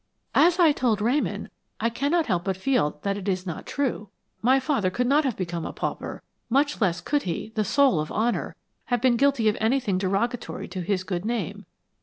"As I told Ramon, I cannot help but feel that it is not true. My father could not have become a pauper, much less could he, the soul of honor, have been guilty of anything derogatory to his good name.